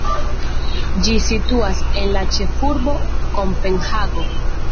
Ĝi situas en la ĉefurbo Kopenhago.